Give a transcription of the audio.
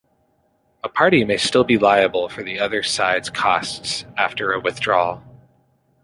A party may still be liable for the other sides costs after a withdrawal.